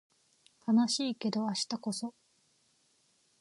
悲しいけど明日こそ